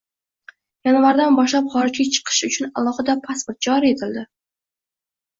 Yanvardan boshlab xorijga chiqish uchun alohida pasport joriy etildi.